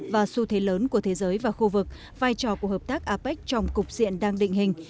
và xu thế lớn của thế giới và khu vực vai trò của hợp tác apec trong cục diện đang định hình